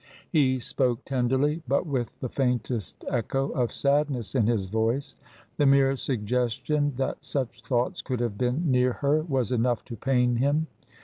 He spoke tenderly, but with the faintest echo of sadness in his voice. The mere suggestion that such thoughts could have been near her was enough to pain him.